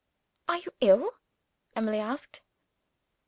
"Are you ill?" Emily asked.